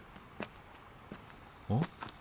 あっ。